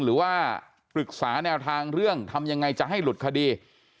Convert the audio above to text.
หรือว่าปรึกษาแนวทางเรื่องทำยังไงจะให้หลุดคดี